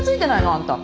あんた。